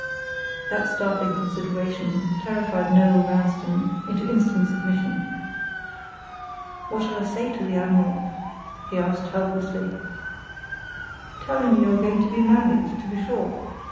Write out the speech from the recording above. That startling consideration terrified Noel Vanstone into instant submission. "What shall I say to the admiral?" he asked, helplessly. "Tell him you are going to be married, to be sure!